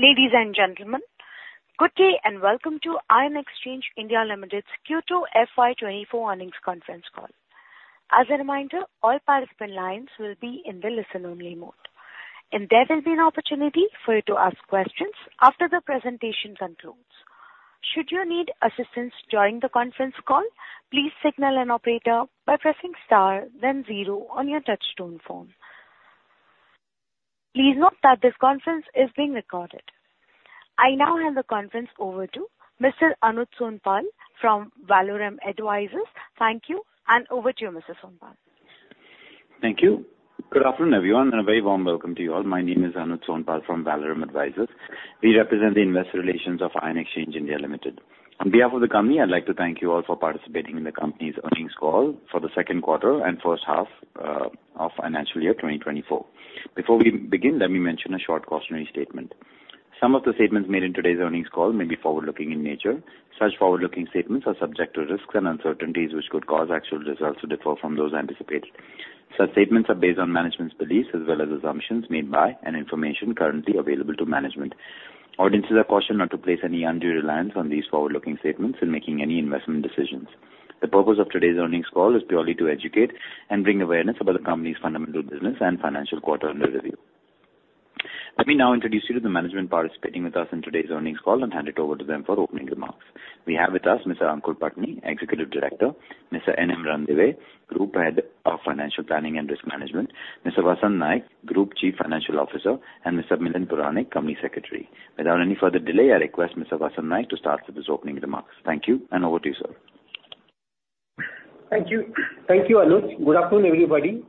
Ladies and gentlemen, good day and welcome to Ion Exchange India Limited's Q2 FY 2024 earnings conference call. As a reminder, all participant lines will be in the listen only mode, and there will be an opportunity for you to ask questions after the presentation concludes. Should you need assistance during the conference call, please signal an operator by pressing star then zero on your touch tone phone. Please note that this conference is being recorded. I now hand the conference over to Mr. Anuj Sonpal from Valorem Advisors. Thank you, and over to you, Mr. Sonpal. Thank you. Good afternoon, everyone, and a very warm welcome to you all. My name is Anuj Sonpal from Valorem Advisors. We represent the investor relations of Ion Exchange India Limited. On behalf of the company, I'd like to thank you all for participating in the company's earnings call for the second quarter and first half of financial year 2024. Before we begin, let me mention a short cautionary statement. Some of the statements made in today's earnings call may be forward-looking in nature. Such forward-looking statements are subject to risks and uncertainties which could cause actual results to differ from those anticipated. Such statements are based on management's beliefs as well as assumptions made by, and information currently available to management. Audiences are cautioned not to place any undue reliance on these forward-looking statements when making any investment decisions. The purpose of today's earnings call is purely to educate and bring awareness about the company's fundamental business and financial quarter under review. Let me now introduce you to the management participating with us in today's earnings call and hand it over to them for opening remarks. We have with us Mr. Aankur Patni, Executive Director; Mr. N. M. Ranadive, Group Head of Financial Planning and Risk Management; Mr. Vasant Naik, Group Chief Financial Officer; and Mr. Milind Puranik, Company Secretary. Without any further delay, I request Mr. Vasant Naik to start with his opening remarks. Thank you, and over to you, sir. Thank you, Anuj. Good afternoon, everybody.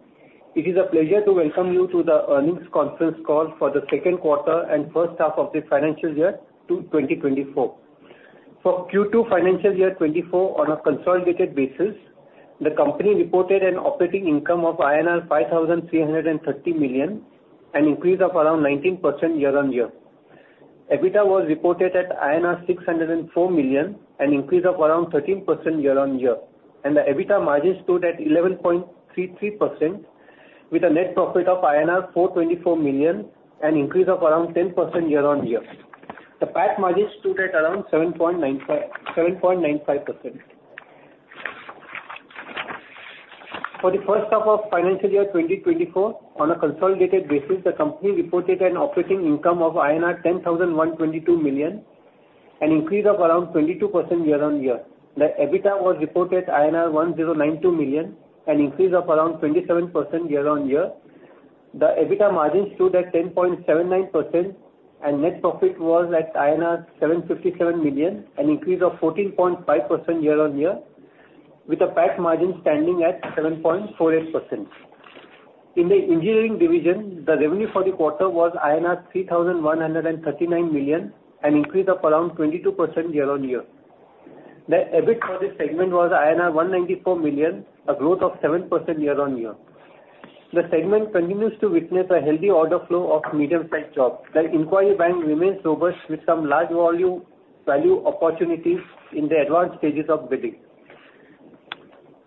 It is a pleasure to welcome you to the earnings conference call for the second quarter and first half of the financial year 2024. For Q2 FY 2024, on a consolidated basis, the company reported an operating income of INR 5,330 million, an increase of around 19% year-on-year. EBITDA was reported at INR 604 million, an increase of around 13% year-on-year. The EBITDA margins stood at 11.33%, with a net profit of INR 424 million, an increase of around 10% year-on-year. The PAT margins stood at around 7.95%. For the first half of financial year 2024, on a consolidated basis, the company reported an operating income of INR 10,122 million, an increase of around 22% year-on-year. The EBITDA was reported INR 1,092 million, an increase of around 27% year-on-year. The EBITDA margins stood at 10.79%, and net profit was at INR 757 million, an increase of 14.5% year-on-year, with a PAT margin standing at 7.48%. In the engineering division, the revenue for the quarter was INR 3,139 million, an increase of around 22% year-on-year. The EBIT for this segment was INR 194 million, a growth of 7% year-on-year. The segment continues to witness a healthy order flow of medium-sized jobs. The inquiry bank remains robust with some large value opportunities in the advanced stages of bidding.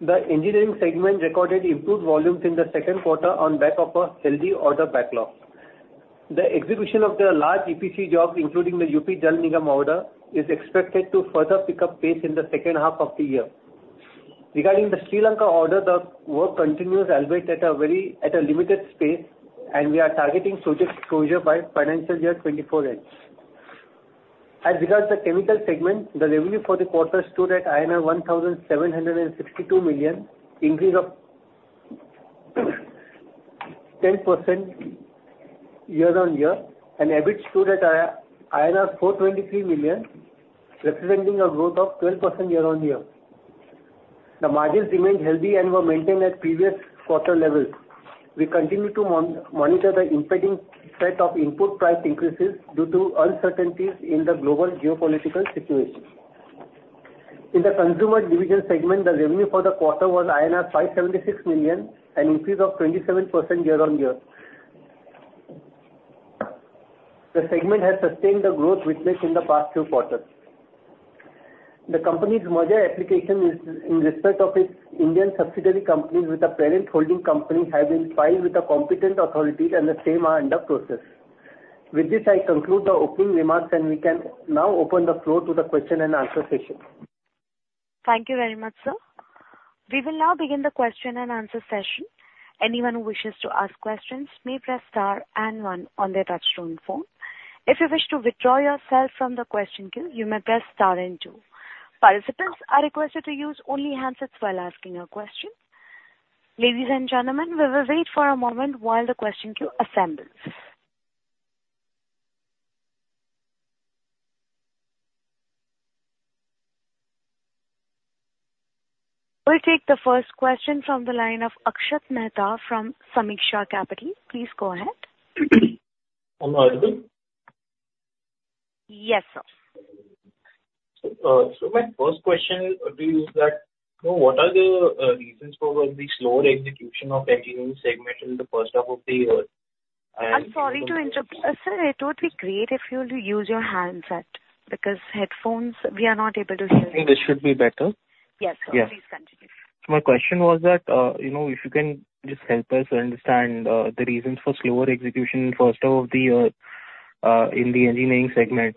The engineering segment recorded improved volumes in the second quarter on the back of a healthy order backlog. The execution of the large EPC jobs, including the UP Jal Nigam order, is expected to further pick up pace in the second half of the year. Regarding the Sri Lanka order, the work continues, albeit at a limited pace, and we are targeting project closure by financial year 2024 end. As regards the chemical segment, the revenue for the quarter stood at INR 1,762 million, increase of 10% year-on-year, and EBIT stood at 423 million, representing a growth of 12% year-on-year. The margins remained healthy and were maintained at previous quarter levels. We continue to monitor the impending threat of input price increases due to uncertainties in the global geopolitical situation. In the consumer division segment, the revenue for the quarter was INR 576 million, an increase of 27% year-on-year. The segment has sustained the growth witnessed in the past two quarters. The company's merger application in respect of its Indian subsidiary companies with the parent holding company have been filed with the competent authorities. The same are under process. With this, I conclude the opening remarks. We can now open the floor to the question and answer session. Thank you very much, sir. We will now begin the question and answer session. Anyone who wishes to ask questions may press star and one on their touchtone phone. If you wish to withdraw yourself from the question queue, you may press star and two. Participants are requested to use only handsets while asking a question. Ladies and gentlemen, we will wait for a moment while the question queue assembles. We'll take the first question from the line of Akshat Mehta from Sameeksha Capital. Please go ahead. Am I audible? Yes, sir. My first question to you is that, what are the reasons for the slower execution of engineering segment in the first half of the year? I'm sorry to interrupt. Sir, it would be great if you would use your handset because headphones, we are not able to hear. You think this should be better? Yes, sir. Yeah. Please continue. My question was that, if you can just help us understand the reasons for slower execution in first half of the year in the engineering segment,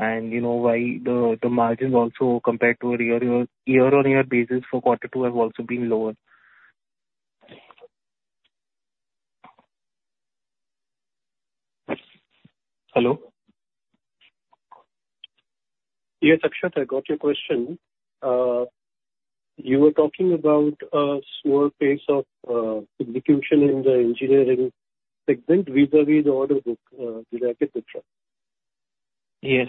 and why the margins also compared to a year-over-year basis for quarter two have also been lower. Hello. Yes, Akshat, I got your question. You were talking about a slower pace of execution in the engineering segment vis-a-vis the order book, did I get it right? Yes.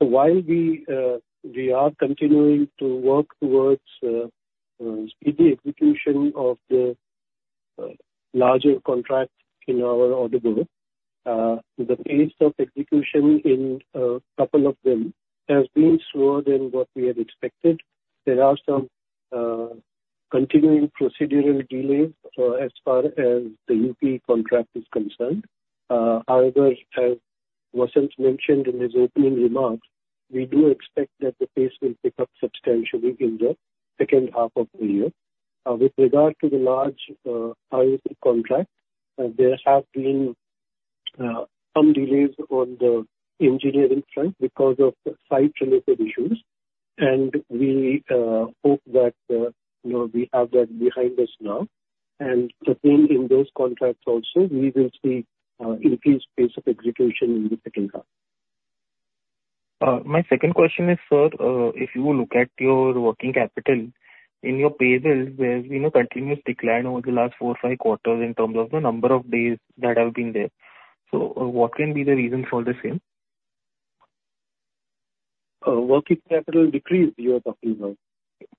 While we are continuing to work towards speedy execution of the larger contracts in our order book, the pace of execution in a couple of them has been slower than what we had expected. There are some continuing procedural delays as far as the UP contract is concerned. However, as Vasant mentioned in his opening remarks, we do expect that the pace will pick up substantially in the second half of the year. With regard to the large IOC contract, there have been some delays on the engineering front because of site-related issues, and we hope that we have that behind us now. The same in those contracts also, we will see increased pace of execution in the second half. My second question is, sir, if you look at your working capital, in your payables, there has been a continuous decline over the last four or five quarters in terms of the number of days that have been there. What can be the reasons for the same? Working capital decrease you are talking about?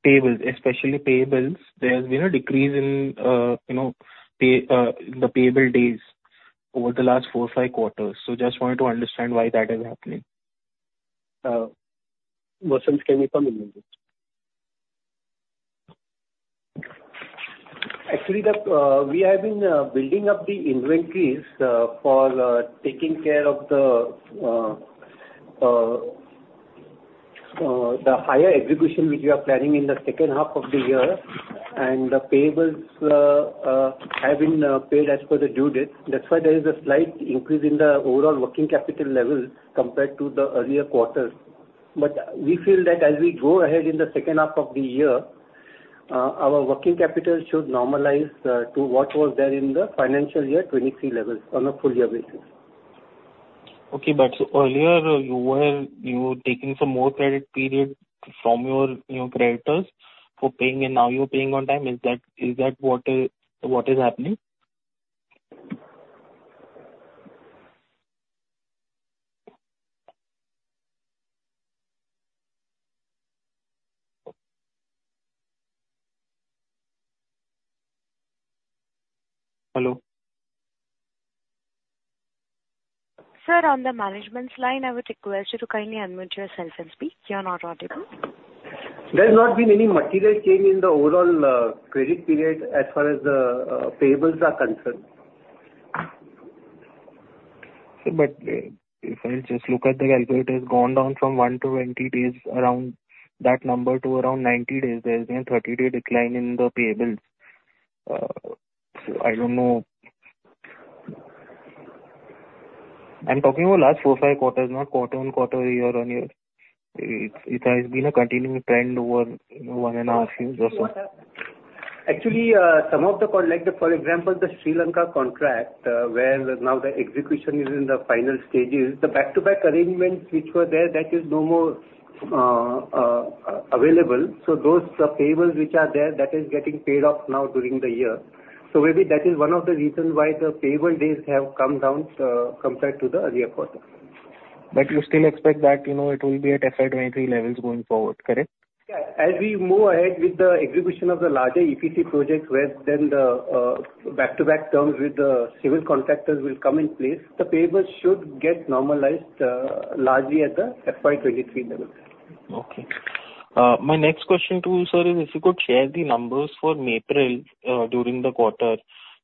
Payables, especially payables. There's been a decrease in the payable days over the last four or five quarters. Just wanted to understand why that is happening. Vasant, can you come in on this? Actually, we have been building up the inventories for taking care of the higher execution which we are planning in the second half of the year, and the payables have been paid as per the due date. That's why there is a slight increase in the overall working capital level compared to the earlier quarters. We feel that as we go ahead in the second half of the year, our working capital should normalize to what was there in the financial year 2023 levels on a full year basis. Okay. Earlier, you were taking some more credit period from your creditors for paying, and now you're paying on time. Is that what is happening? Hello? Sir, on the management's line, I would request you to kindly unmute yourself and speak. You are on audible. There's not been any material change in the overall credit period as far as the payables are concerned. Sir, if I just look at the 128 has gone down from 120 days around that number to around 90 days. There's been a 30-day decline in the payables. I don't know. I'm talking about last 4, 5 quarters, not quarter-on-quarter, year-on-year. It has been a continuing trend over one and a half years or so. Actually, for example, the Sri Lanka contract, where now the execution is in the final stages, the back-to-back arrangements which were there, that is no more available. Those payables which are there, that is getting paid off now during the year. Maybe that is one of the reasons why the payable days have come down compared to the earlier quarters. You still expect that it will be at FY 2023 levels going forward, correct? Yeah. As we move ahead with the execution of the larger EPC projects where then the back-to-back terms with the civil contractors will come in place, the payables should get normalized largely at the FY 2023 level. Okay. My next question to you, sir, is if you could share the numbers for MAPRIL during the quarter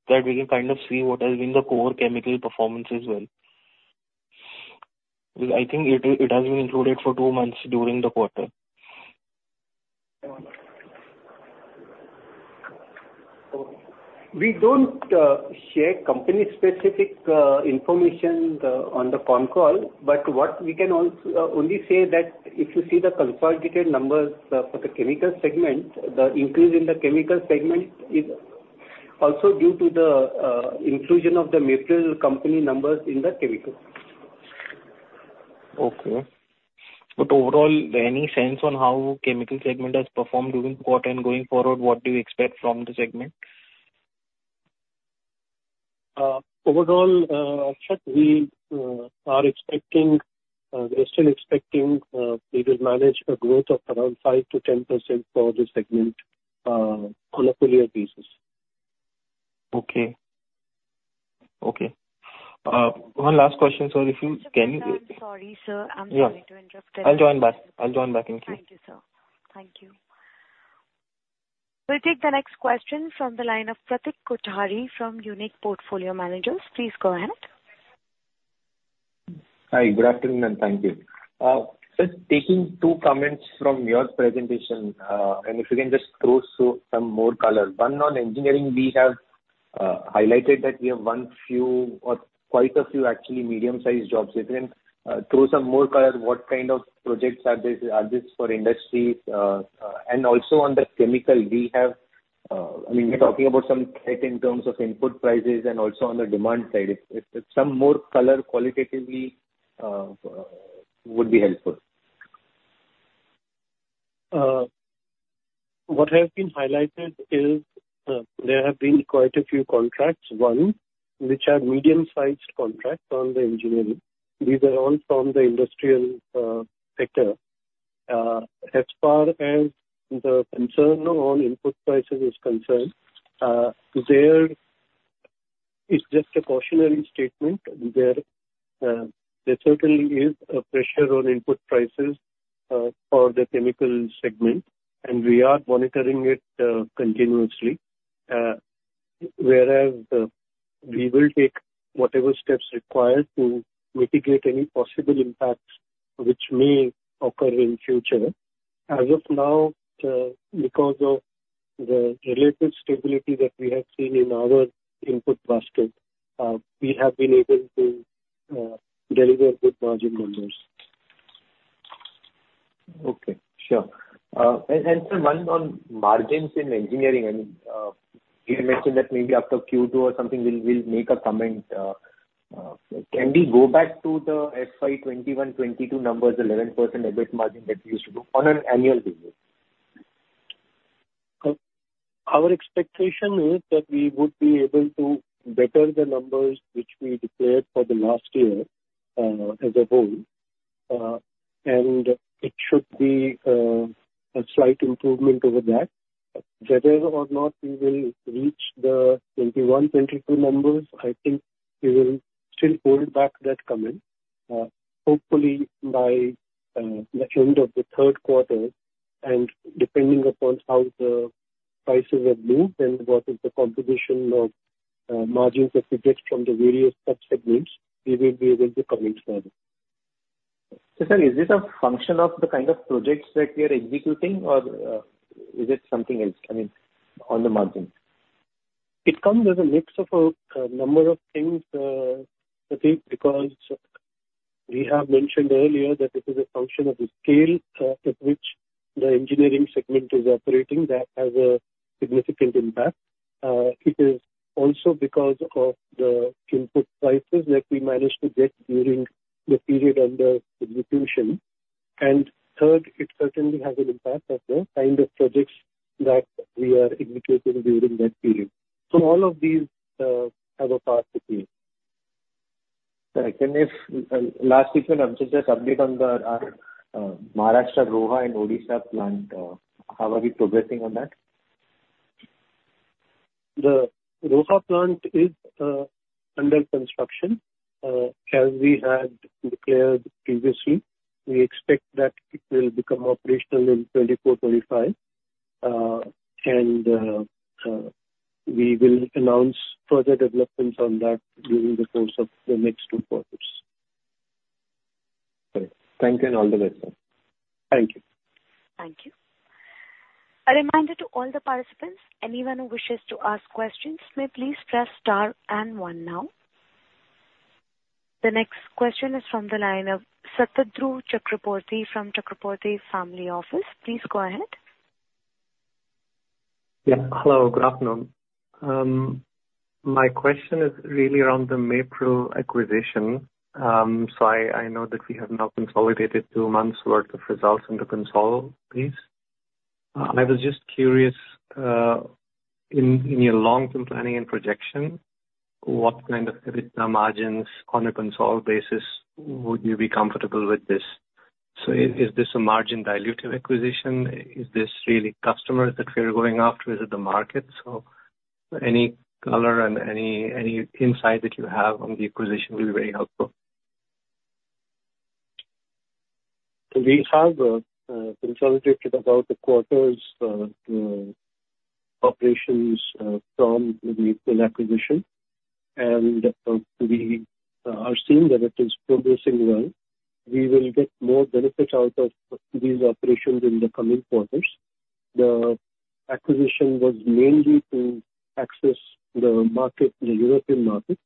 that we can kind of see what has been the core chemical performance as well. Because I think it has been included for two months during the quarter. We don't share company-specific information on the phone call. What we can only say that if you see the consolidated numbers for the chemical segment, the increase in the chemical segment is also due to the inclusion of the MAPRIL company numbers in the chemical. Okay. Overall, any sense on how chemical segment has performed during the quarter and going forward, what do you expect from the segment? Overall, Akshat, we are still expecting we will manage a growth of around 5%-10% for this segment on a full year basis. Okay. One last question, sir. I'm sorry, sir. I'm sorry to interrupt. I'll join back. I'll join back in queue. Thank you, sir. Thank you. We'll take the next question from the line of Pratik Kothari from Unique Portfolio Managers. Please go ahead. Hi, good afternoon. Thank you. Just taking two comments from your presentation. If you can just throw some more color. One on engineering, we have won a few, or quite a few actually, medium-sized jobs. If you can throw some more color, what kind of projects are these for industry? Also on the chemical, we are talking about some type in terms of input prices and also on the demand side. If some more color qualitatively would be helpful. What has been highlighted is there have been quite a few contracts. One, which are medium-sized contracts on the engineering. These are all from the industrial sector. As far as the concern on input prices is concerned, there it's just a cautionary statement. There certainly is a pressure on input prices for the chemical segment. We are monitoring it continuously. Whereas we will take whatever steps required to mitigate any possible impacts which may occur in future. As of now, because of the relative stability that we have seen in our input basket, we have been able to deliver good margin numbers. Okay. Sure. Sir, one on margins in engineering. You mentioned that maybe after Q2 or something, we will make a comment. Can we go back to the FY 2021, 2022 numbers, 11% EBIT margin that we used to do on an annual basis? Our expectation is that we would be able to better the numbers which we declared for the last year as a whole. It should be a slight improvement over that. Whether or not we will reach the 2021, 2022 numbers, I think we will still hold back that comment. Hopefully, by the end of the third quarter, depending upon how the prices have moved and what is the contribution of margins that we get from the various sub-segments, we will be able to comment further. Sir, is this a function of the kind of projects that we are executing, or is it something else on the margin? It comes as a mix of a number of things. I think because we have mentioned earlier that it is a function of the scale at which the engineering segment is operating. That has a significant impact. It is also because of the input prices that we managed to get during the period under execution. Third, it certainly has an impact of the kind of projects that we are executing during that period. All of these have a part to play. If last week, perhaps just update on our Maharashtra Roha and Odisha plant. How are we progressing on that? The Roha plant is under construction. As we had declared previously, we expect that it will become operational in 2024, 2025. We will announce further developments on that during the course of the next two quarters. Great. Thank you, and all the best. Thank you. Thank you. A reminder to all the participants, anyone who wishes to ask questions may please press star and one now. The next question is from the line of Satadru Chakraborty from Chakraborty Family Office. Please go ahead. Yeah. Hello, good afternoon. My question is really around the MAPRIL acquisition. I know that we have now consolidated two months' worth of results on the consolidated piece. I was just curious, in your long-term planning and projection, what kind of EBITDA margins on a consolidated basis would you be comfortable with this? Is this a margin dilutive acquisition? Is this really customers that we are going after? Is it the market? Any color and any insight that you have on the acquisition will be very helpful. We have consolidated about a quarter's operations from the MAPRIL acquisition. We are seeing that it is progressing well. We will get more benefits out of these operations in the coming quarters. The acquisition was mainly to access the European market.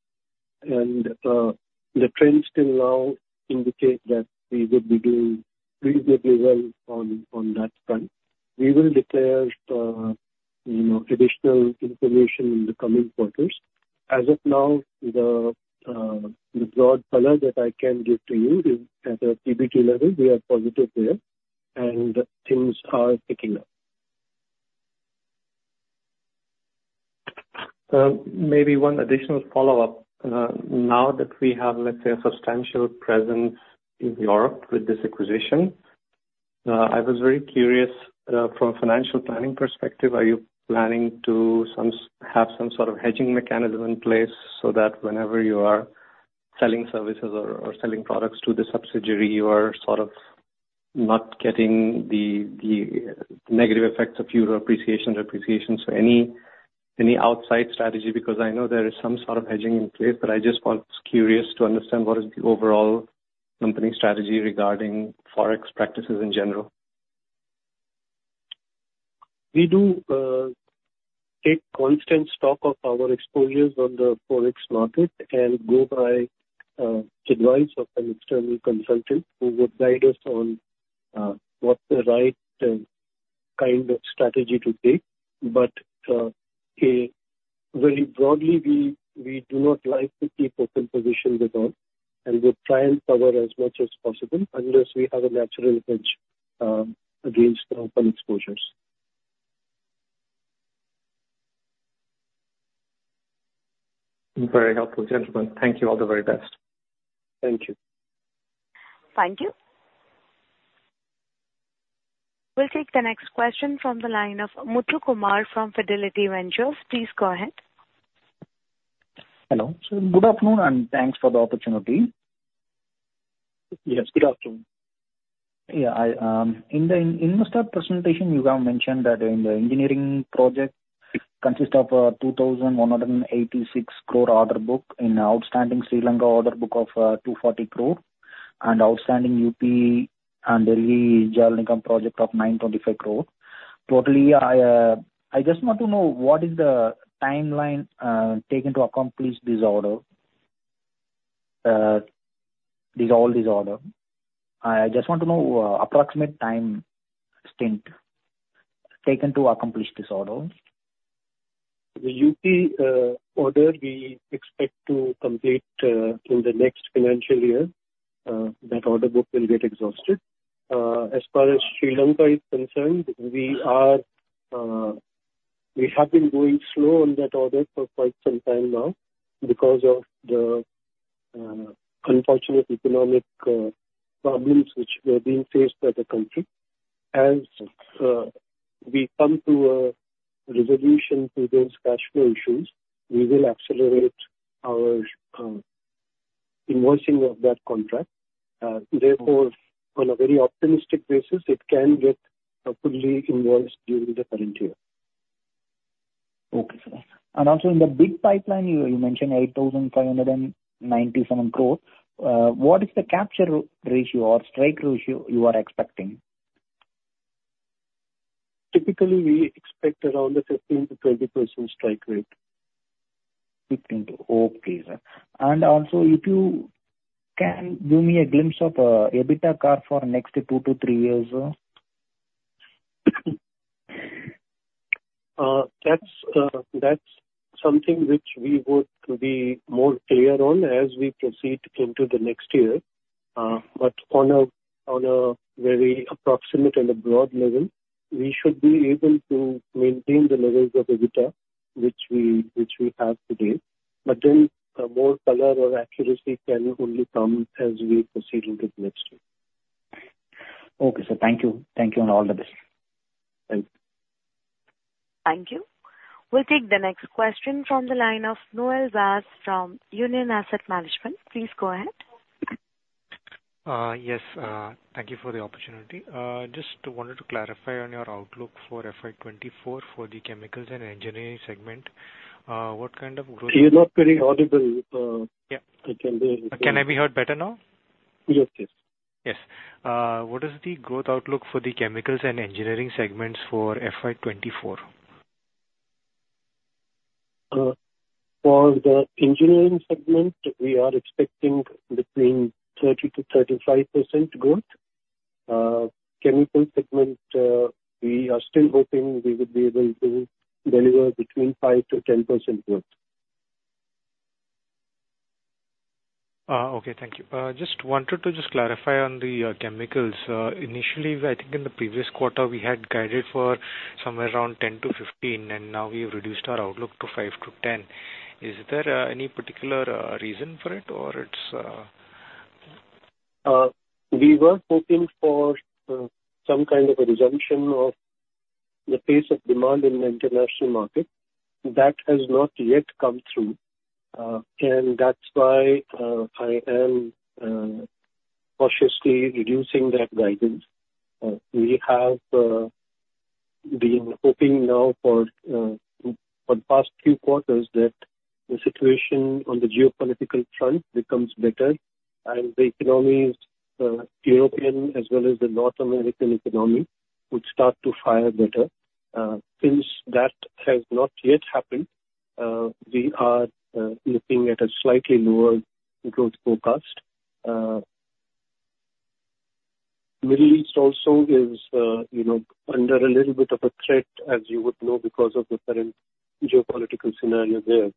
The trends till now indicate that we would be doing reasonably well on that front. We will declare additional information in the coming quarters. As of now, the broad color that I can give to you is at a PBT level, we are positive there. Things are picking up. Maybe one additional follow-up. Now that we have, let's say, a substantial presence in Europe with this acquisition, I was very curious from a financial planning perspective, are you planning to have some sort of hedging mechanism in place so that whenever you are selling services or selling products to the subsidiary, you are sort of not getting the negative effects of euro appreciation, depreciation. Any outside strategy, because I know there is some sort of hedging in place, I just was curious to understand what is the overall company strategy regarding Forex practices in general. We do take constant stock of our exposures on the Forex market and go by advice of an external consultant who would guide us on what the right kind of strategy to take. Very broadly, we do not like to keep open positions at all and we try and cover as much as possible unless we have a natural hedge against open exposures. Very helpful, gentlemen. Thank you. All the very best. Thank you. Thank you. We'll take the next question from the line of Muthu Kumar from Fidelity Ventures. Please go ahead. Hello. Good afternoon, thanks for the opportunity. Yes, good afternoon. Yeah. In the investor presentation, you have mentioned that in the engineering project, it consists of 2,186 crore order book and outstanding Sri Lanka order book of 240 crore and outstanding UP and Delhi Jal Board project of 925 crore. Totally, I just want to know what is the timeline taken to accomplish this order. Resolve this order. I just want to know approximate time stint taken to accomplish this order. The UP order we expect to complete in the next financial year. That order book will get exhausted. As far as Sri Lanka is concerned, we have been going slow on that order for quite some time now because of the unfortunate economic problems which were being faced by the country. As we come to a resolution to those cash flow issues, we will accelerate our invoicing of that contract. On a very optimistic basis, it can get fully invoiced during the current year. Okay, sir. Also in the big pipeline, you mentioned 8,597 crore. What is the capture ratio or strike ratio you are expecting? Typically, we expect around a 15%-20% strike rate. 15, okay, sir. Also if you can give me a glimpse of EBITDA growth for next two to three years. That's something which we would be more clear on as we proceed into the next year. On a very approximate and a broad level, we should be able to maintain the levels of EBITDA which we have today. More color or accuracy can only come as we proceed into the next year. Okay, sir. Thank you. Thank you and all the best. Thank you. Thank you. We'll take the next question from the line of Noel Zass from Union Asset Management. Please go ahead. Yes. Thank you for the opportunity. Just wanted to clarify on your outlook for FY 2024 for the chemicals and engineering segment. What kind of growth- You're not very audible. Yeah. Can you. Can I be heard better now? Yes, yes. Yes. What is the growth outlook for the chemicals and engineering segments for FY 2024? For the engineering segment, we are expecting between 30%-35% growth. Chemical segment, we are still hoping we would be able to deliver between 5%-10% growth. Okay, thank you. Just wanted to just clarify on the chemicals. Initially, I think in the previous quarter, we had guided for somewhere around 10-15%, now we have reduced our outlook to 5%-10%. Is there any particular reason for it? We were hoping for some kind of a resumption of the pace of demand in the international market. That has not yet come through. That is why I am cautiously reducing that guidance. We have been hoping now for the past few quarters that the situation on the geopolitical front becomes better and the economies, European as well as the North American economy, would start to fire better. Since that has not yet happened, we are looking at a slightly lower growth forecast. Middle East also is under a little bit of a threat, as you would know, because of the current geopolitical scenario there.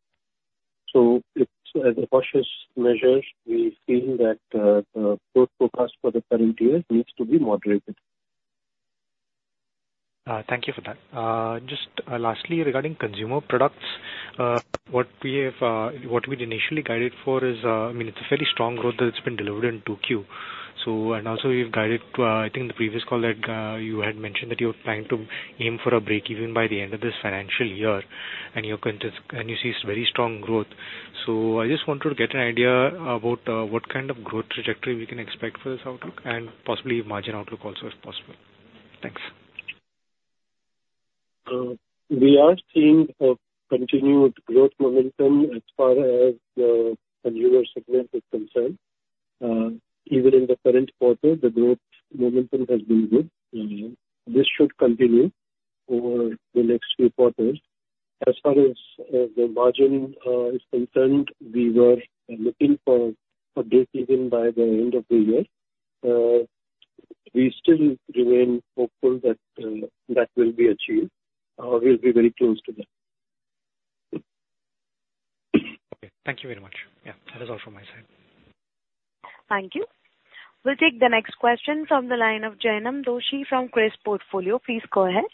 It is as a cautious measure, we feel that the growth forecast for the current year needs to be moderated. Thank you for that. Just lastly, regarding consumer products, what we'd initially guided for is, it's a fairly strong growth that's been delivered in 2Q. You've guided, I think in the previous call that you had mentioned that you're planning to aim for a break-even by the end of this financial year, and you see very strong growth. I just wanted to get an idea about what kind of growth trajectory we can expect for this outlook and possibly margin outlook also, if possible. Thanks. We are seeing a continued growth momentum as far as the consumer segment is concerned. Even in the current quarter, the growth momentum has been good. This should continue over the next few quarters. As far as the margin is concerned, we were looking for updates even by the end of the year. We still remain hopeful that will be achieved, or we'll be very close to that. Okay. Thank you very much. That is all from my side. Thank you. We'll take the next question from the line of Jainam Doshi from Kriis Portfolio. Please go ahead.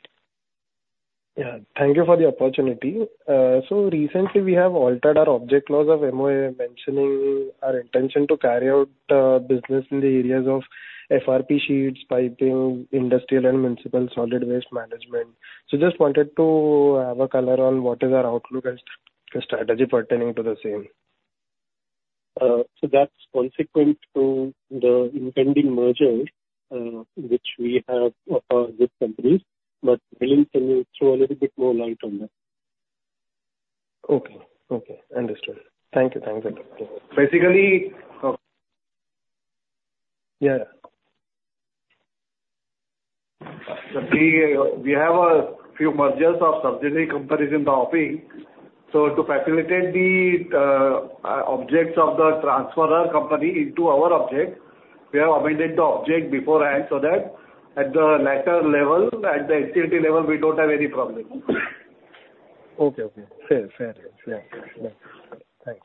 Yeah. Thank you for the opportunity. Recently we have altered our object clause of MOA, mentioning our intention to carry out business in the areas of FRP sheets, piping, industrial and municipal solid waste management. Just wanted to have a color on what is our outlook as to strategy pertaining to the same. That's consequent to the impending merger which we have with companies. Veen can throw a little bit more light on that. Okay. Understood. Thank you. Basically Yeah. We have a few mergers of subsidiary companies in the offing. To facilitate the objects of the transferor company into our object, we have amended the object beforehand so that at the latter level, at the entity level, we don't have any problem. Okay. Fair. Yeah. Thanks.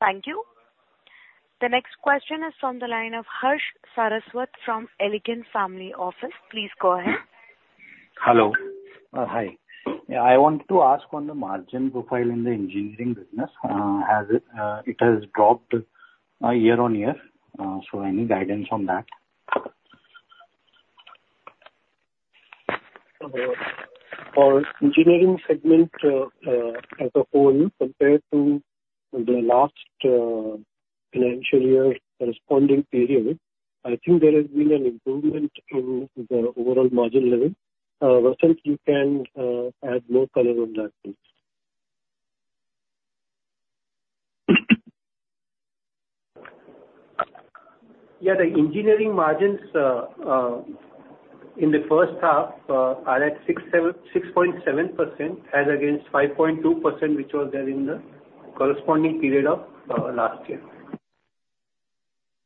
Thank you. The next question is from the line of Harsh Saraswat from Elegant Family Office. Please go ahead. Hello. Hi. I want to ask on the margin profile in the engineering business, it has dropped year-on-year, so any guidance on that? For engineering segment as a whole, compared to the last financial year corresponding period, I think there has been an improvement in the overall margin level. Vasant, you can add more color on that please. Yeah. The engineering margins in the first half are at 6.7% as against 5.2% which was there in the corresponding period of last year.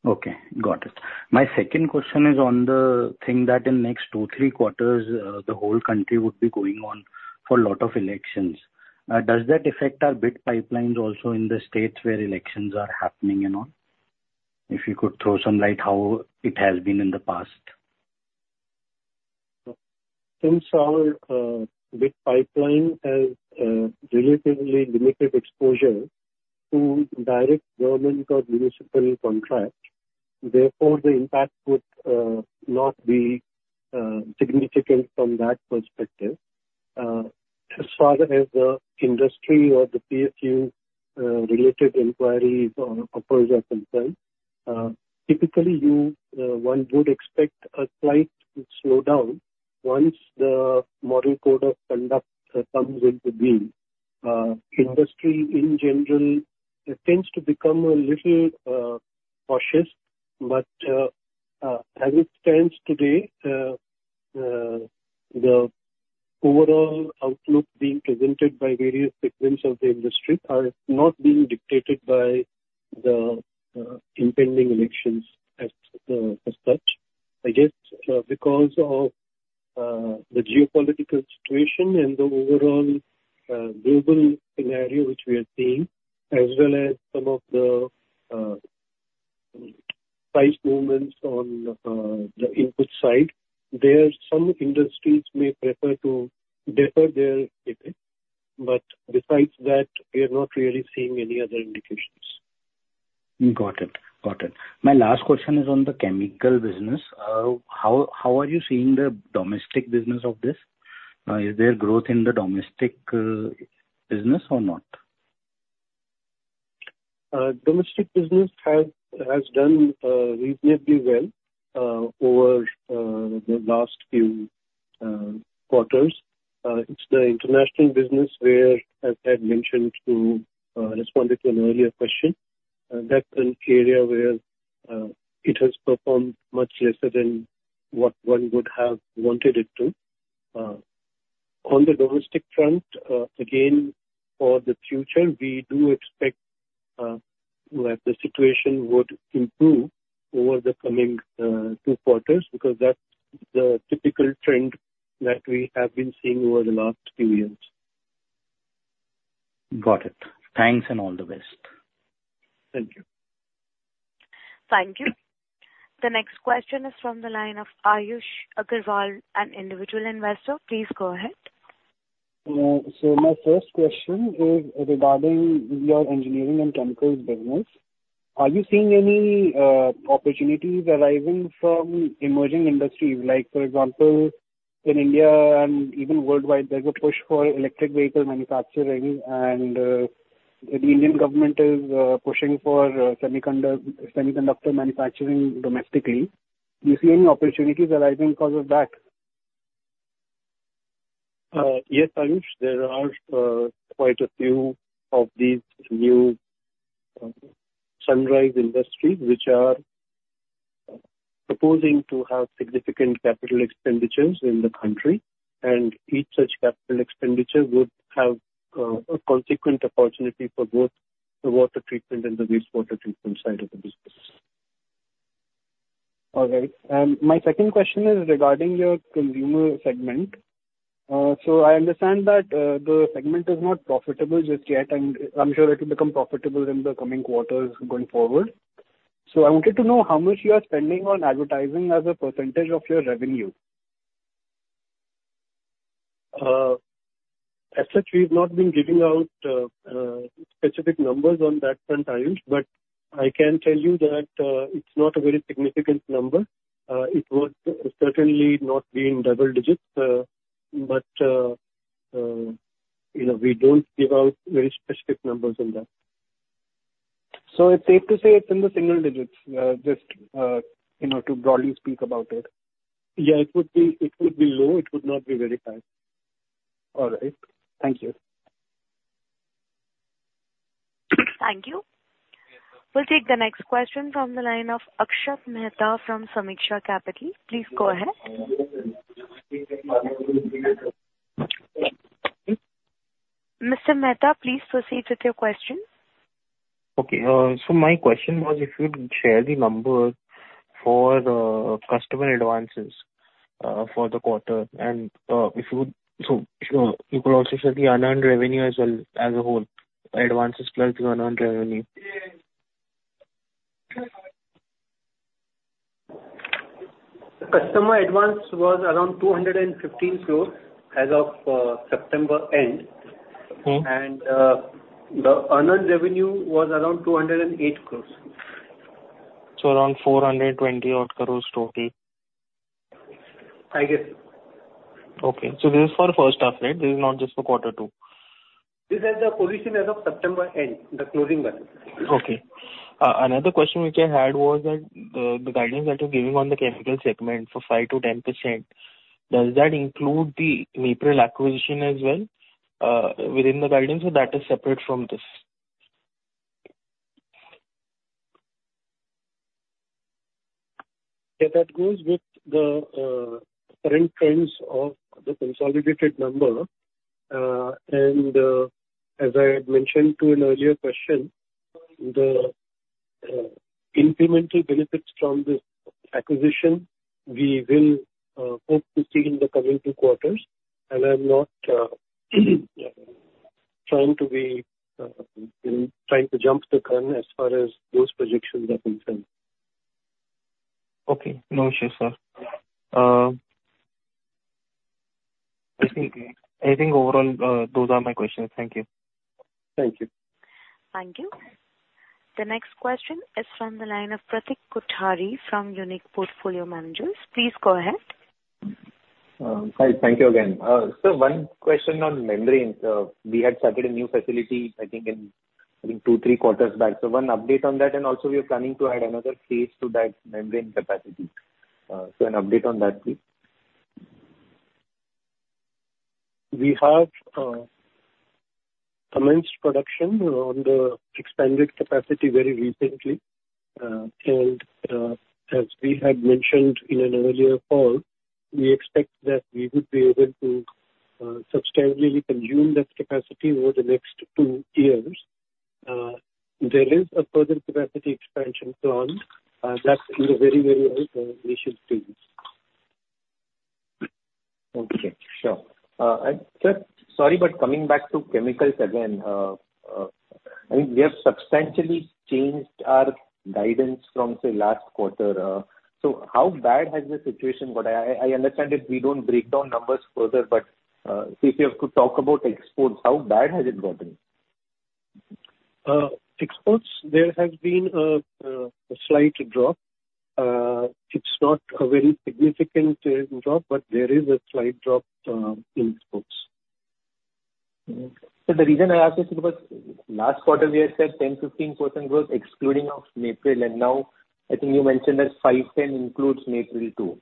Okay, got it. My second question is on the thing that in next two, three quarters the whole country would be going on for lot of elections. Does that affect our bid pipelines also in the states where elections are happening and all? If you could throw some light how it has been in the past. Since our bid pipeline has a relatively limited exposure to direct government or municipal contract, therefore the impact would not be significant from that perspective. As far as the industry or the PSU related inquiries or proposals are concerned, typically one would expect a slight slowdown once the model code of conduct comes into being. Industry in general tends to become a little cautious but as it stands today, the overall outlook being presented by various segments of the industry are not being dictated by the impending elections as such. I guess because of the geopolitical situation and the overall global scenario which we are seeing as well as some of the price movements on the input side, there some industries may prefer to defer their CapEx, but besides that, we are not really seeing any other indications. Got it. My last question is on the chemical business. How are you seeing the domestic business of this? Is there growth in the domestic business or not? Domestic business has done reasonably well over the last few quarters. It's the international business where, as I had mentioned to responded to an earlier question, that's an area where it has performed much lesser than what one would have wanted it to. On the domestic front, again, for the future, we do expect that the situation would improve over the coming two quarters because that's the typical trend that we have been seeing over the last few years. Got it. Thanks. All the best. Thank you. Thank you. The next question is from the line of Ayush Aggarwal, an individual investor. Please go ahead. My first question is regarding your engineering and chemicals business. Are you seeing any opportunities arising from emerging industries? Like for example, in India and even worldwide, there is a push for electric vehicle manufacturing and the Indian government is pushing for semiconductor manufacturing domestically. Do you see any opportunities arising because of that? Yes, Ayush, there are quite a few of these new sunrise industries which are proposing to have significant capital expenditures in the country, and each such capital expenditure would have a consequent opportunity for both the water treatment and the wastewater treatment side of the business. All right. My second question is regarding your consumer segment. I understand that the segment is not profitable just yet, and I'm sure it will become profitable in the coming quarters going forward. I wanted to know how much you are spending on advertising as a % of your revenue. As such, we've not been giving out specific numbers on that front, Ayush, I can tell you that it's not a very significant number. It would certainly not be in double digits. We don't give out very specific numbers on that. It's safe to say it's in the single digits, just to broadly speak about it. Yeah, it would be low. It would not be very high. All right. Thank you. Thank you. We'll take the next question from the line of Akshat Mehta from Sameeksha Capital. Please go ahead. Mr. Mehta, please proceed with your question. My question was if you'd share the number for the customer advances for the quarter, and if you could also share the unearned revenue as well as a whole, advances plus the unearned revenue. The customer advance was around 215 crores as of September end. The unearned revenue was around 208 crores. Around 420 odd crores total. I guess. Okay. This is for the first half, right? This is not just for quarter two. This is the position as of September end, the closing balance. Okay. Another question which I had was that the guidance that you're giving on the chemical segment for 5%-10%, does that include the MAPRIL acquisition as well within the guidance or that is separate from this? Yeah, that goes with the current trends of the consolidated number. As I had mentioned to an earlier question, the incremental benefits from this acquisition, we will hope to see in the coming two quarters, I'm not trying to jump the gun as far as those projections are concerned. Okay. No issues, sir. I think overall, those are my questions. Thank you. Thank you. Thank you. The next question is from the line of Pratik Kothari from Unique Portfolio Managers. Please go ahead. Hi. Thank you again. Sir, one question on membranes. We had started a new facility, I think two, three quarters back. One update on that, and also, we are planning to add another phase to that membrane capacity. An update on that, please. We have commenced production on the expanded capacity very recently. As we had mentioned in an earlier call, we expect that we would be able to substantially consume that capacity over the next two years. There is a further capacity expansion plan that's in a very early initial phase. Okay. Sure. Sir, sorry, but coming back to chemicals again. I mean, we have substantially changed our guidance from, say, last quarter. How bad has the situation got? I understand that we don't break down numbers further, but if you have to talk about exports, how bad has it gotten? Exports, there has been a slight drop. It is not a very significant drop, but there is a slight drop in exports. The reason I ask this is because last quarter we had said 10-15% growth excluding of MAPRIL, and now I think you mentioned that 5.10% includes MAPRIL too.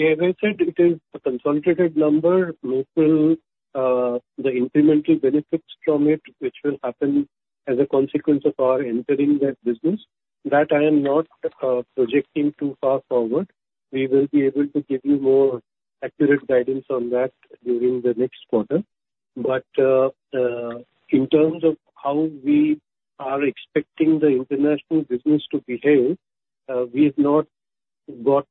As I said, it is a consolidated number. MAPRIL, the incremental benefits from it, which will happen as a consequence of our entering that business, that I am not projecting too far forward. We will be able to give you more accurate guidance on that during the next quarter. In terms of how we are expecting the international business to behave, we have not got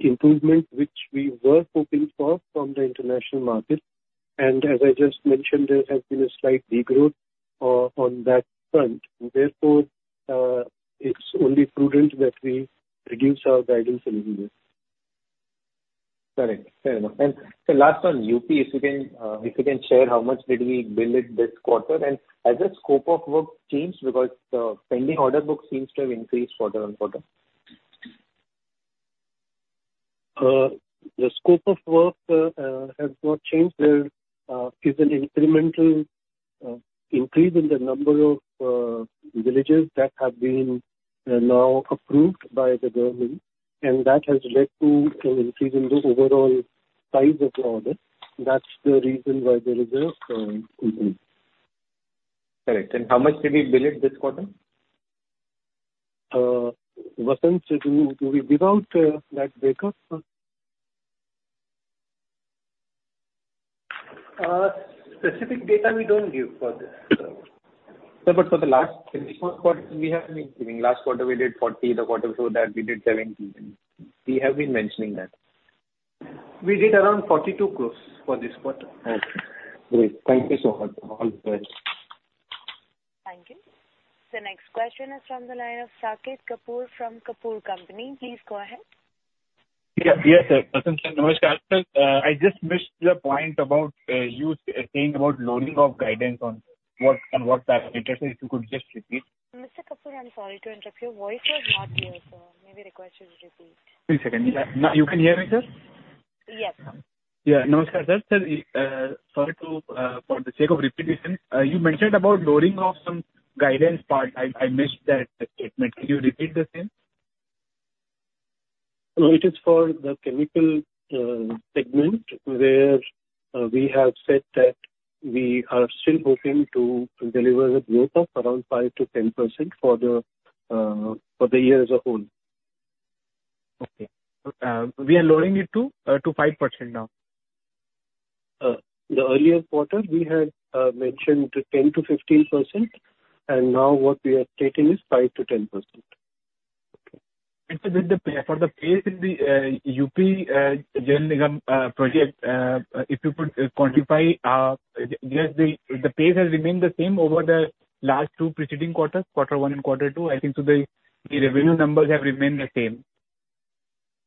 improvement which we were hoping for from the international market. As I just mentioned, there has been a slight degrowth on that front. Therefore, it is only prudent that we reduce our guidance a little bit. Correct. Fair enough. Sir, last one, UP, if you can share how much did we bill it this quarter? Has the scope of work changed because the pending order book seems to have increased quarter-on-quarter. The scope of work has not changed. There is an incremental increase in the number of villages that have been now approved by the government, and that has led to an increase in the overall size of the order. That's the reason why there is an increase. Correct. How much did we bill it this quarter? Vasant, do we give out that breakup? Specific data we don't give for this, sir. No, for the last We have been giving. Last quarter we did 40, the quarter before that we did 17. We have been mentioning that. We did around 42 crore for this quarter. Okay, great. Thank you so much. Thank you. The next question is from the line of Saket Kapur from Kapoor & Company. Please go ahead. Yes, sir. Namaskar, sir. I just missed your point about you saying about lowering of guidance and what parameters. If you could just repeat. Mr. Kapur, I'm sorry to interrupt you. Your voice was not clear, sir. May we request you to repeat? One second. You can hear me, sir? Yes. Yeah. Namaskar, sir. Sir, for the sake of repetition, you mentioned about lowering of some guidance part. I missed that statement. Could you repeat the same? No, it is for the chemical segment, where we have said that we are still hoping to deliver a growth of around 5%-10% for the year as a whole. Okay. We are lowering it to 5% now. The earlier quarter, we had mentioned 10%-15%, now what we are stating is 5%-10%. Okay. Sir for the pace in the Uttar Pradesh Jal Nigam project, if you could quantify. Has the pace remained the same over the last two preceding quarters, quarter one and quarter two? I think the revenue numbers have remained the same.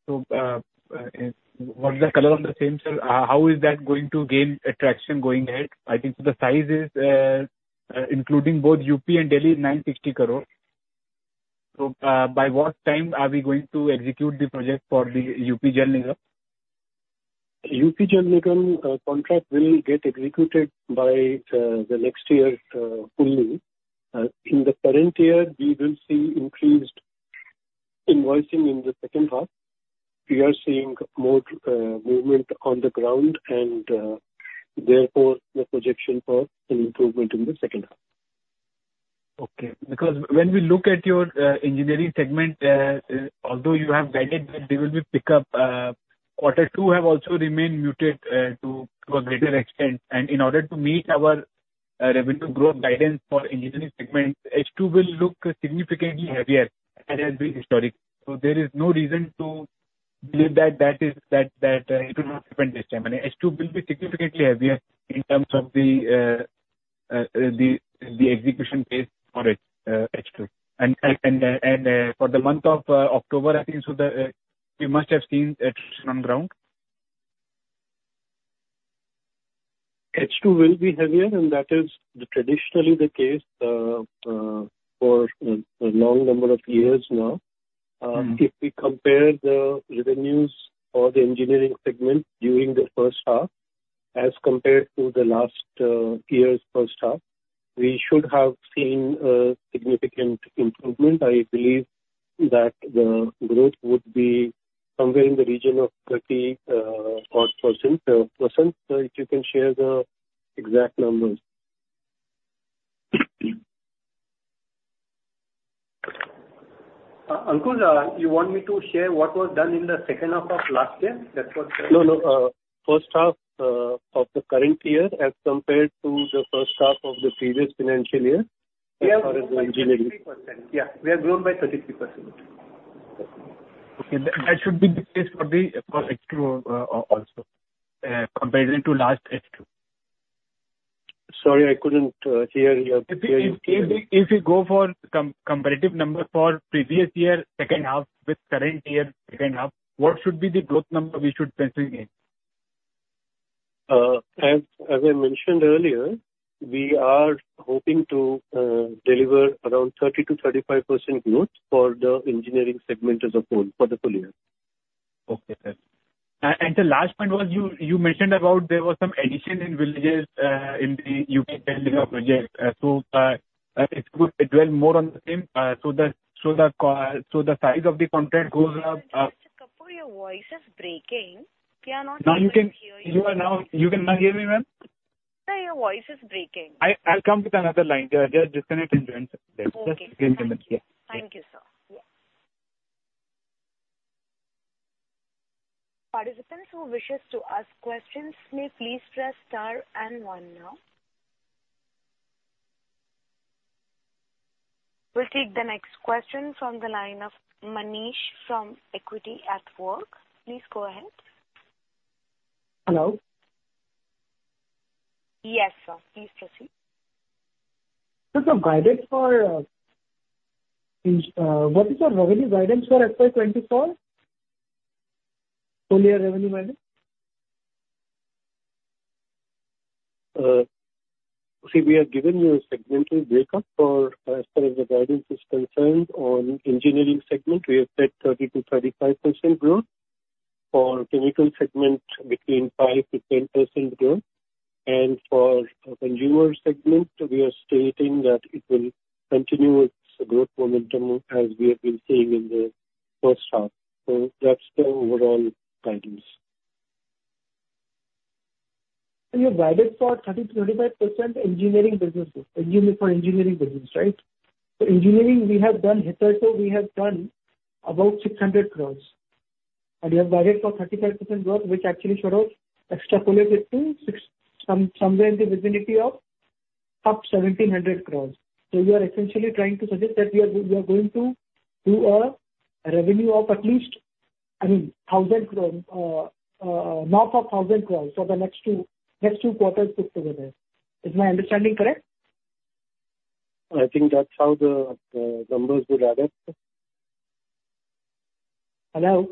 Was the color on the same, sir? How is that going to gain attraction going ahead? I think the size is, including both Uttar Pradesh and Delhi, 950 crore. By what time are we going to execute the project for the Uttar Pradesh Jal Nigam? Uttar Pradesh Jal Nigam contract will get executed by the next year fully. In the current year, we will see increased invoicing in the second half. We are seeing more movement on the ground and therefore, the projection for an improvement in the second half. Okay. When we look at your engineering segment, although you have guided that there will be pick up, quarter two have also remained muted to a greater extent. In order to meet our revenue growth guidance for engineering segment, H2 will look significantly heavier as has been historic. There is no reason to believe that it will not happen this time. H2 will be significantly heavier in terms of the execution pace for H2. For the month of October, I think we must have seen action on ground. H2 will be heavier, that is traditionally the case for a long number of years now. If we compare the revenues for the engineering segment during the first half as compared to the last year's first half, we should have seen a significant improvement. I believe that the growth would be somewhere in the region of 30-odd%. Sir, if you can share the exact numbers. Aankur, you want me to share what was done in the second half of last year? No. First half of the current year as compared to the first half of the previous financial year. We have grown by 33%. Okay. That should be the case for H2 also, compared into last H2. Sorry, I couldn't hear your. We go for comparative number for previous year second half with current year second half, what should be the growth number we should be sensing in? As I mentioned earlier, we are hoping to deliver around 30%-35% growth for the engineering segment as a whole for the full year. Okay, sir. Sir, last point was, you mentioned about there was some addition in villages in the UP Jal Nigam project. If you could dwell more on the same, so the size of the contract goes up- Mr. Saket Kapoor, your voice is breaking. We are not able to hear you. Now you cannot hear me well? Sir, your voice is breaking. I'll come with another line. Just disconnect and join, sir. Okay. Just give me a minute. Yeah. Thank you, sir. Yeah. Participants who wishes to ask questions may please press star and one now. We'll take the next question from the line of Manish from Equity at Work. Please go ahead. Hello Yes, sir. Please proceed. Sir, what is your revenue guidance for FY 2024? Full-year revenue guidance. We have given you a segmental breakup for as far as the guidance is concerned. On engineering segment, we have said 30%-35% growth. For chemical segment, between 5%-10% growth. For consumer segment, we are stating that it will continue its growth momentum as we have been seeing in the first half. That's the overall guidance. You have guided for 30%-35% for engineering business, right? Engineering, hitherto we have done above 600 crores, and you have guided for 35% growth, which actually sort of extrapolated to somewhere in the vicinity of up 1,700 crores. You are essentially trying to suggest that you are going to do a revenue of at least 1,000 crores for the next two quarters put together. Is my understanding correct? I think that's how the numbers would add up. Hello?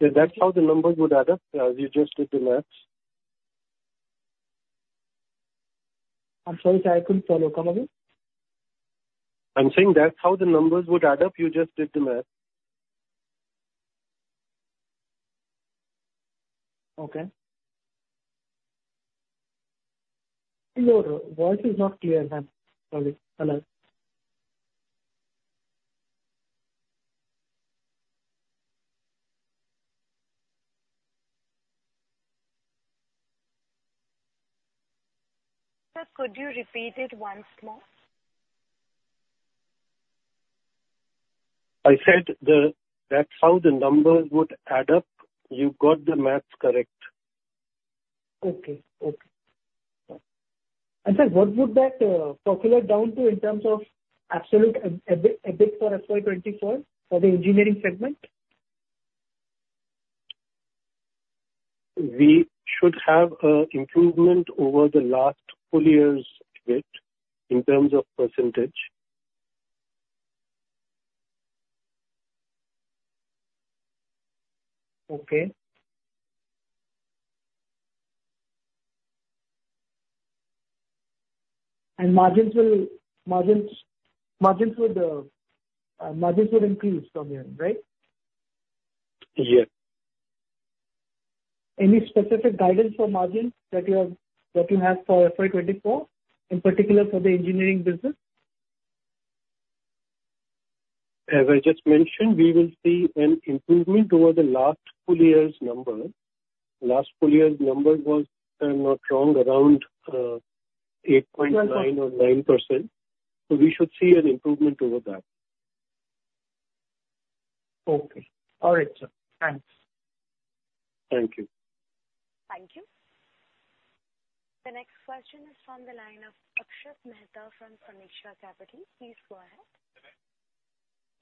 That's how the numbers would add up. You just did the math. I'm sorry, sir. I couldn't follow. Come again. I'm saying that's how the numbers would add up. You just did the math. Okay. Hello, voice is not clear. Sorry. Hello. Sir, could you repeat it once more? I said that's how the numbers would add up. You got the math correct. Okay. Sir, what would that populate down to in terms of absolute EBIT for FY 2024 for the engineering segment? We should have an improvement over the last full year's EBIT in terms of percentage. Okay. Margins would increase from here, right? Yes. Any specific guidance for margins that you have for FY 2024, in particular for the engineering business? As I just mentioned, we will see an improvement over the last full year's number. Last full year's number was, if I'm not wrong, around 8.9% or 9%. We should see an improvement over that. Okay. All right, sir. Thanks. Thank you. Thank you. The next question is from the line of Akshat Mehta from Sameeksha Capital. Please go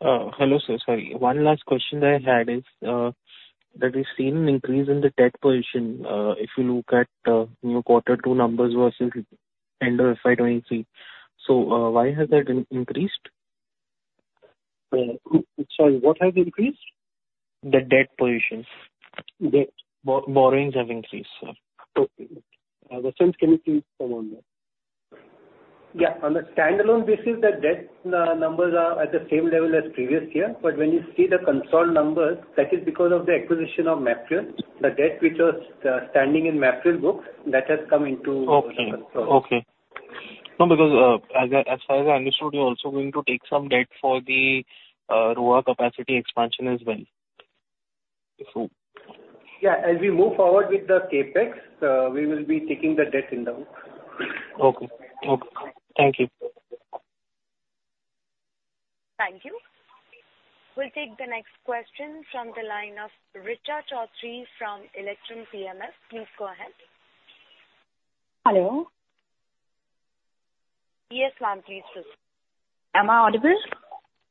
ahead. Hello, sir. Sorry. One last question that I had is, that we've seen an increase in the debt position, if you look at your quarter two numbers versus end of FY23. Why has that increased? Sorry, what has increased? The debt position. Debt. Borrowings have increased, sir. Okay. Vasant, can you please comment on that? Yeah. On the standalone basis, the debt numbers are at the same level as previous year. When you see the consolidated numbers, that is because of the acquisition of MAPRIL. The debt which was standing in MAPRIL books, that has come into. Okay consort. No, because as far as I understood, you're also going to take some debt for the Roha capacity expansion as well. Yeah. As we move forward with the CapEx, we will be taking the debt in the book. Okay. Thank you. Thank you. We'll take the next question from the line of Richa Chaudhary from Electrum PMS. Please go ahead. Hello. Yes, ma'am. Please proceed. Am I audible?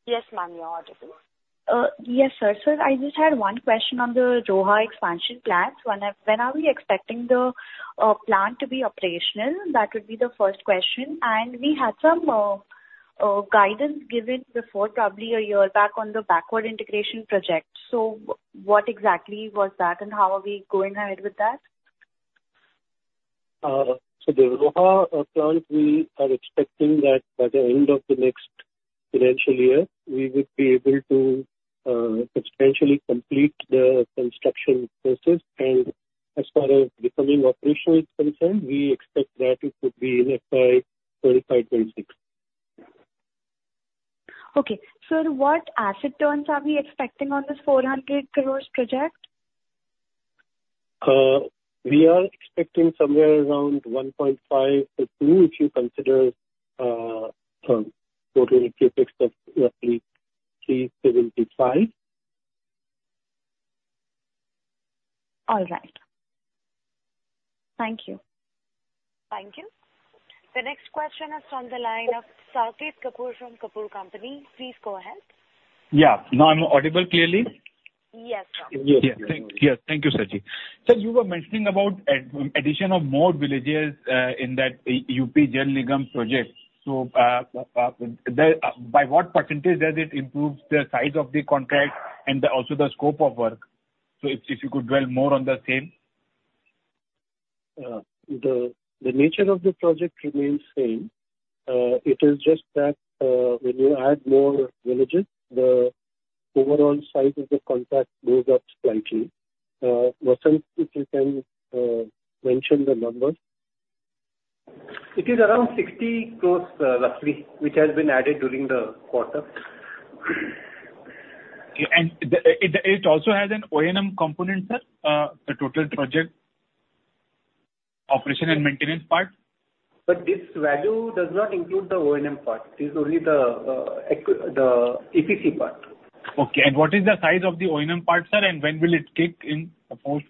Yes, ma'am. You're audible. Yes, sir. Sir, I just had one question on the Roha expansion plant. When are we expecting the plant to be operational? That would be the first question. We had some guidance given before, probably a year back on the backward integration project. What exactly was that, and how are we going ahead with that? The Roha plant, we are expecting that by the end of the next financial year, we would be able to substantially complete the construction process. As far as becoming operational is concerned, we expect that it could be in FY 2025/2026. Okay. Sir, what asset turns are we expecting on this 400 crore project? We are expecting somewhere around 1.5-2, if you consider total CapEx of roughly INR 375. All right. Thank you. Thank you. The next question is from the line of Saket Kapoor from Kapoor & Company. Please go ahead. Yeah. Now I'm audible clearly? Yes, sir. Yes, thank you, Sajid. Sir, you were mentioning about addition of more villages in that UP Jal Nigam project. By what % does it improve the size of the contract and also the scope of work? If you could dwell more on the same. The nature of the project remains same. It is just that when you add more villages, the overall size of the contract goes up slightly. Vasant, if you can mention the numbers. It is around 60 crore roughly, which has been added during the quarter. It also has an O&M component, sir, the total project operation and maintenance part? Sir, this value does not include the O&M part. It is only the EPC part. Okay. What is the size of the O&M part, sir, and when will it kick in, suppose,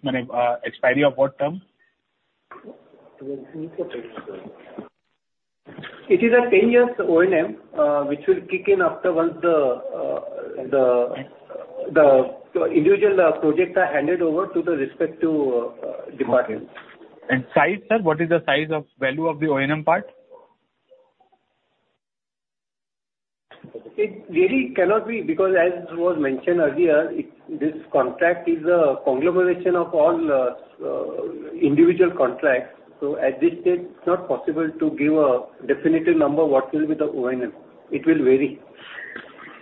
expiry of what term? It is a 10 years O&M, which will kick in after once the individual projects are handed over to the respective departments. Size, sir, what is the size of value of the O&M part? It really cannot be, because as was mentioned earlier, this contract is a conglomeration of all individual contracts. At this stage, it's not possible to give a definitive number what will be the O&M. It will vary.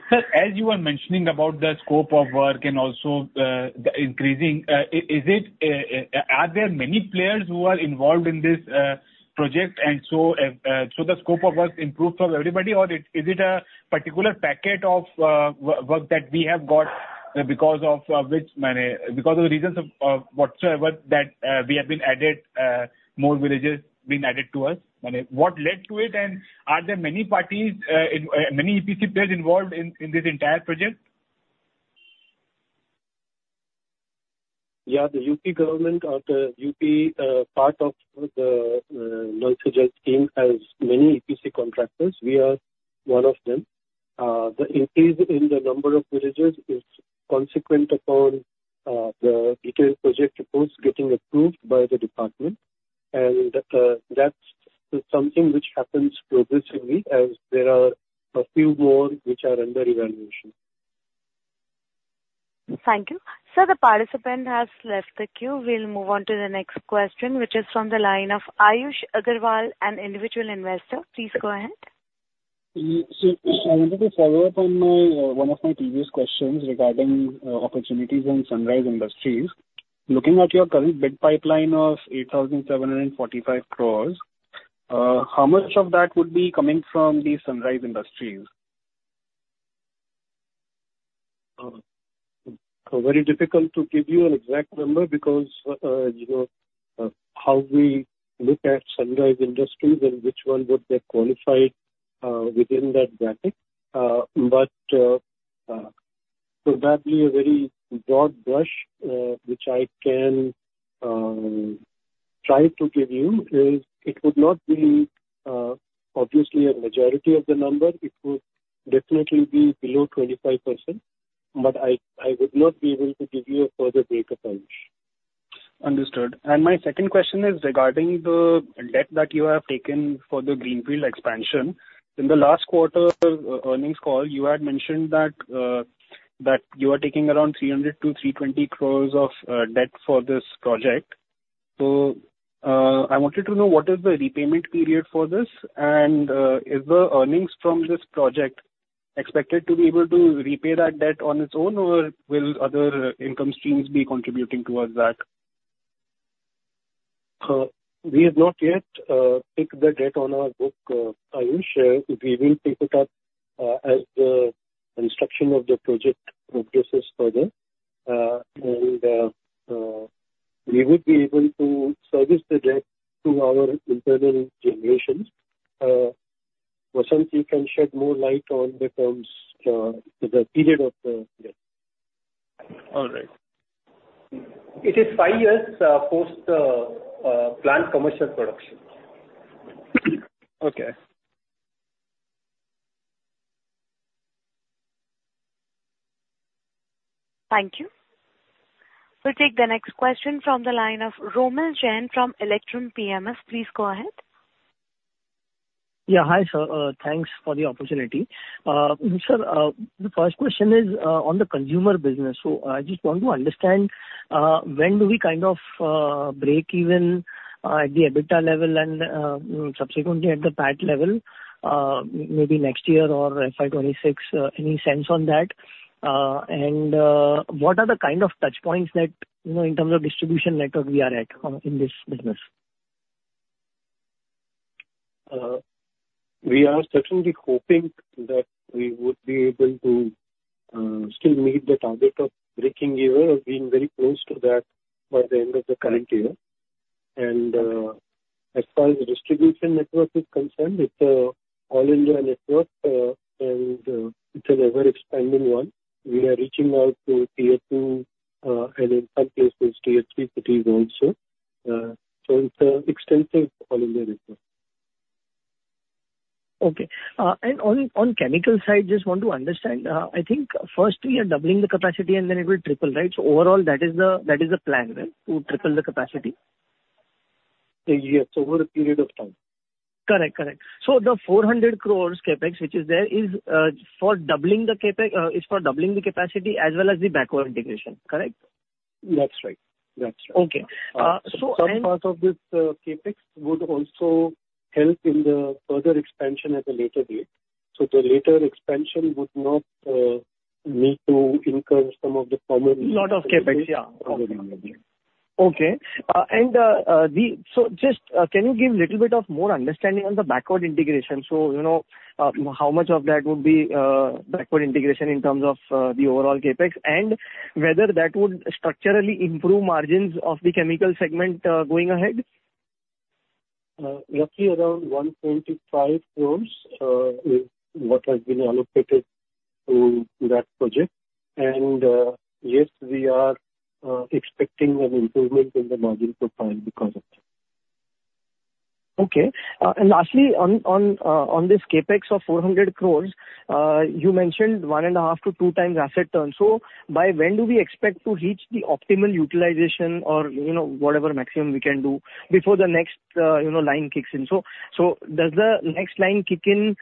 Sir, as you were mentioning about the scope of work and also the increasing, are there many players who are involved in this project, the scope of work improves for everybody? Is it a particular packet of work that we have got because of the reasons of whatsoever, that more villages been added to us? What led to it, are there many EPC players involved in this entire project? Yeah, the UP government or the UP part of the Jal Nigam team has many EPC contractors. We are one of them. The increase in the number of villages is consequent upon the detailed project reports getting approved by the department, that's something which happens progressively as there are a few more which are under evaluation. Thank you. Sir, the participant has left the queue. We'll move on to the next question, which is from the line of Ayush Aggarwal, an individual investor. Please go ahead. Sir, I wanted to follow up on one of my previous questions regarding opportunities in Sunrise Industries. Looking at your current bid pipeline of 8,745 crores, how much of that would be coming from the Sunrise Industries? Very difficult to give you an exact number because how we look at Sunrise Industries and which one would get qualified within that bracket. Probably a very broad brush which I can try to give you is it would not be obviously a majority of the number. It would definitely be below 25%, but I would not be able to give you a further breakdown. Understood. My second question is regarding the debt that you have taken for the greenfield expansion. In the last quarter earnings call, you had mentioned that you are taking around 300 crore-320 crore of debt for this project. I wanted to know what is the repayment period for this, and is the earnings from this project expected to be able to repay that debt on its own, or will other income streams be contributing towards that? We have not yet taken the debt on our book, Ayush. We will take it up as the construction of the project progresses further, we would be able to service the debt to our internal generations. Vasant, you can shed more light on the terms, the period of the debt. All right. It is five years post planned commercial production. Okay. Thank you. We'll take the next question from the line of Romil Jain from Electrum PMS. Please go ahead. Yeah. Hi, sir. Thanks for the opportunity. Sir, the first question is on the consumer business. I just want to understand when do we kind of break even at the EBITDA level and subsequently at the PAT level, maybe next year or FY 2026? Any sense on that? What are the kind of touch points that, in terms of distribution network we are at in this business? We are certainly hoping that we would be able to still meet the target of breaking even or being very close to that by the end of the current year. As far as the distribution network is concerned, it's an all-India network, and it's an ever-expanding one. We are reaching out to Tier 2 and in some cases Tier 3 cities also. It's an extensive all-India network. Okay. On chemical side, just want to understand, I think firstly you're doubling the capacity and then it will triple, right? Overall that is the plan, right, to triple the capacity? Yes, over a period of time. Correct. The 400 crores CapEx, which is there, is for doubling the capacity as well as the backward integration, correct? That's right. Okay. Some part of this CapEx would also help in the further expansion at a later date. The later expansion would not need to incur some of the. Lot of CapEx, yeah. Probably. Okay. Just, can you give little bit of more understanding on the backward integration? How much of that would be backward integration in terms of the overall CapEx, and whether that would structurally improve margins of the chemical segment going ahead? Roughly around 1.5 crores is what has been allocated to that project. Yes, we are expecting an improvement in the margin profile because of that. Lastly, on this CapEx of 400 crore, you mentioned 1.5 to 2 times asset turn. By when do we expect to reach the optimal utilization or whatever maximum we can do before the next line kicks in? Does the next line kick in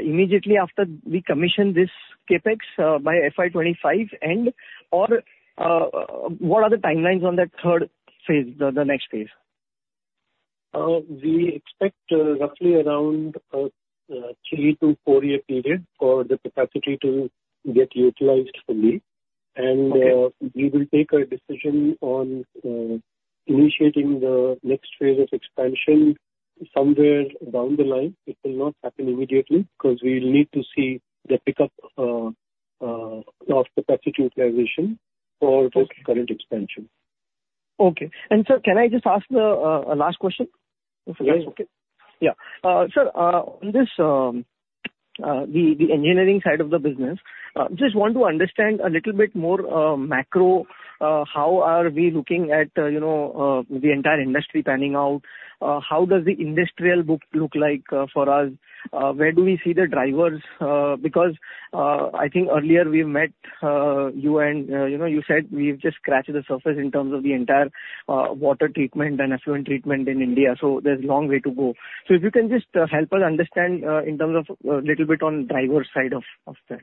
immediately after we commission this CapEx by FY 2025 end? What are the timelines on that third phase, the next phase? We expect roughly around a 3 to 4-year period for the capacity to get utilized fully. Okay. We will take a decision on initiating the next phase of expansion somewhere down the line. It will not happen immediately, because we need to see the pickup of the capacity utilization for this current expansion. Okay. Sir, can I just ask a last question, if that is okay? Yes. Yeah. Sir, on the engineering side of the business, just want to understand a little bit more macro, how are we looking at the entire industry panning out? How does the industrial book look like for us? Where do we see the drivers? I think earlier we met you and you said we've just scratched the surface in terms of the entire water treatment and effluent treatment in India, so there's a long way to go. If you can just help us understand in terms of a little bit on driver's side of that.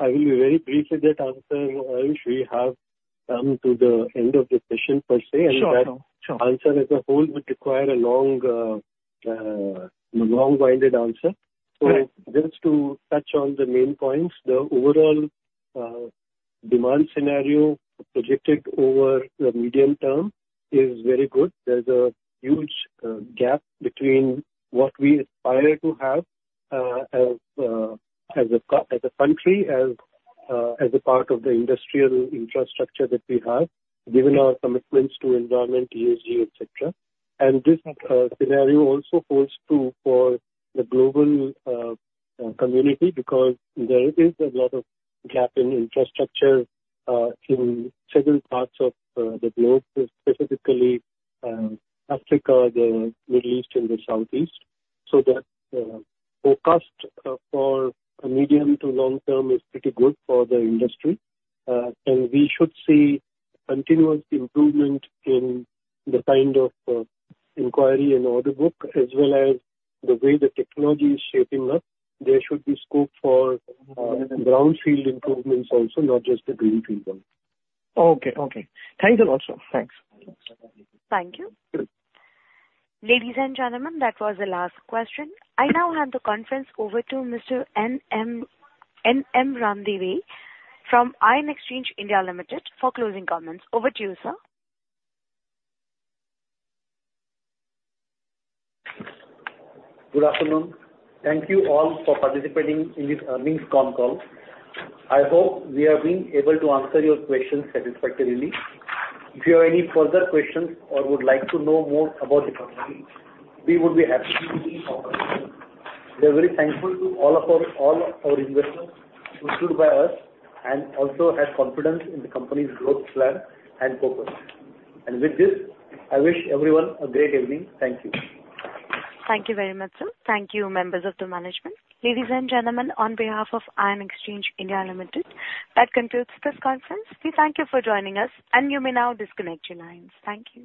I will be very brief with that answer, Ayush. We have come to the end of the session per se. Sure. That answer as a whole would require a long-winded answer. Correct. Just to touch on the main points, the overall demand scenario projected over the medium term is very good. There's a huge gap between what we aspire to have as a country, as a part of the industrial infrastructure that we have, given our commitments to environment, ESG, et cetera. This scenario also holds true for the global community because there is a lot of gap in infrastructure in several parts of the globe, specifically Africa, the Middle East and the Southeast. The forecast for a medium to long term is pretty good for the industry. We should see continuous improvement in the kind of inquiry and order book, as well as the way the technology is shaping up. There should be scope for brown field improvements also, not just the green field ones. Okay. Thanks a lot, sir. Thanks. Thank you, sir. Thank you. Ladies and gentlemen, that was the last question. I now hand the conference over to Mr. N.M. Ranadive from Ion Exchange India Limited, for closing comments. Over to you, sir. Good afternoon. Thank you all for participating in this earnings con call. I hope we have been able to answer your questions satisfactorily. If you have any further questions or would like to know more about the company, we would be happy to talk to you. We are very thankful to all our investors who stood by us and also have confidence in the company's growth plan and purpose. With this, I wish everyone a great evening. Thank you. Thank you very much, sir. Thank you, members of the management. Ladies and gentlemen, on behalf of Ion Exchange (India) Ltd., that concludes this conference. We thank you for joining us, and you may now disconnect your lines. Thank you.